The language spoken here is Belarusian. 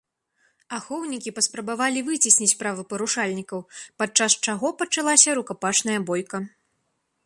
Ахоўнікі паспрабавалі выцесніць правапарушальнікаў, падчас чаго пачалася рукапашная бойка.